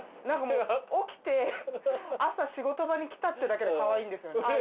何かもう起きて朝仕事場に来たってだけでカワイイんですよね。